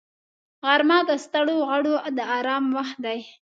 غرمه د ستړو غړو د آرام وخت دی